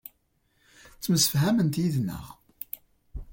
Ttemsefhament yid-neɣ.